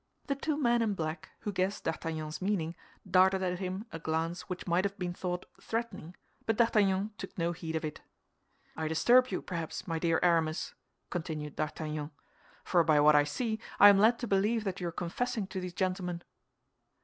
The two men in black, who guessed D'Artagnan's meaning, darted at him a glance which might have been thought threatening; but D'Artagnan took no heed of it. "I disturb you, perhaps, my dear Aramis," continued D'Artagnan, "for by what I see, I am led to believe that you are confessing to these gentlemen."